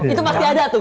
itu pasti ada tuh